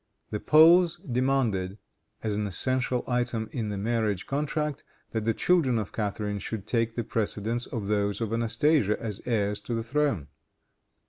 The Poles demanded, as an essential item in the marriage contract, that the children of Catharine should take the precedence of those of Anastasia as heirs to the throne.